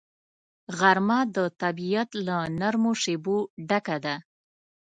غرمه د طبیعت له نرمو شیبو ډکه ده